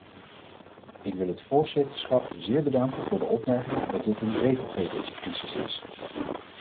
Ik wil het voorzitterschap zeer bedanken voor de opmerking dat dit een regelgevingscrisis is.